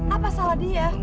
apa salah dia